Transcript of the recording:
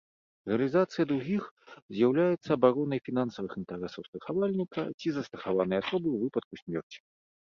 Рэалізацыя другіх з'яўляецца абаронай фінансавых інтарэсаў страхавальніка ці застрахаванай асобы ў выпадку смерці.